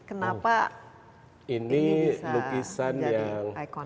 kenapa ini bisa menjadi ikonik